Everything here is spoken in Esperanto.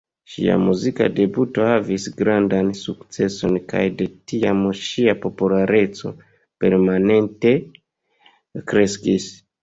Ŝia muzika debuto havis grandan sukceson kaj de tiam ŝia populareco permanente kreskis.